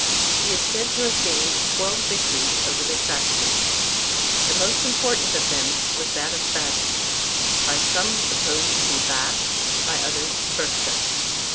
He is said to have gained twelve victories over the Saxons. The most important of them was that of Badon, by some supposed to be Bath, by others Berkshire.